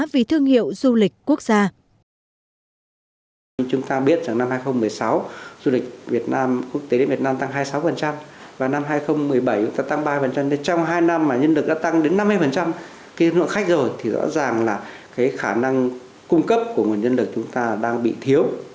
vi thuyết và đồng hành